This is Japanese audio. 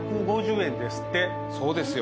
そうですよ。